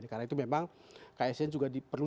karena itu memang kasn juga perlu